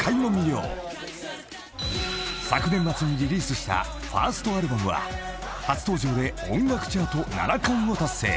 ［昨年末にリリースしたファーストアルバムは初登場で音楽チャート］